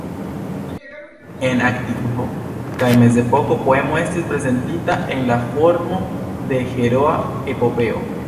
En antikvo kaj mezepoko poemo estis prezentita en la formo de heroa epopeo.